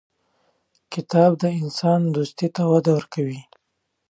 کتاب د انسان دوستي ته وده ورکوي.